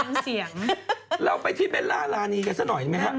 โอ้โฮเดี๋ยวจริงตายแล้วไปที่เบลล่ารานีกันสักหน่อยไหมครับ